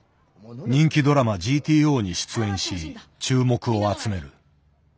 人気ドラマ「ＧＴＯ」に出演し注目を集める。